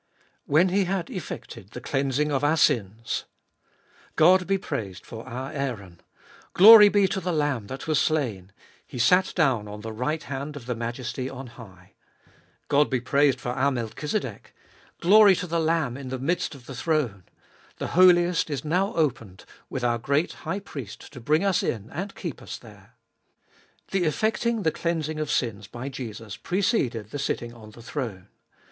7. When He had effected the cleansing of our sins— God be praised for our Aaron! Glory be to the Lamb that was slain /—He sat down on the right hand of the Majesty on high ! Goaf be praised for our Melchizedek ! Glory to the Lamb in the midst of the throne ! The Holiest is now opened, with our great High Priest to bring us in and keep us there. 2. The effecting the cleansing of sins by Jesus preceded the sitting on the throne.